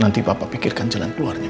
nanti papa pikirkan jalan keluarnya ma